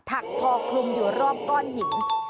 ักคอคลุมอยู่รอบก้อนหิน